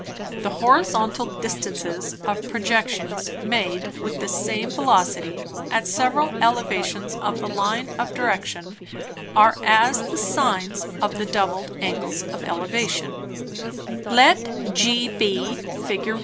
The Horizontal Distances of Projections made with the same Velocity, at several Elevations of the Line of Direction, are as the Sines of the doubled Angles of Elevation. Let GB (_Fig.